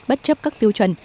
bất chấp các tiêu chuẩn